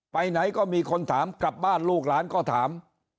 ไปไหนก็มีคนถามกลับบ้านลูกหลานก็ถาม